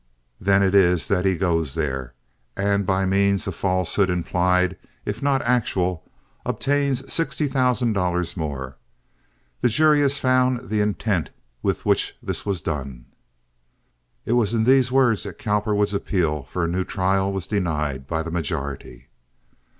Then it is that he goes there, and, by means of a falsehood implied if not actual, obtains sixty thousand dollars more. The jury has found the intent with which this was done." It was in these words that Cowperwood's appeal for a new trial was denied by the majority.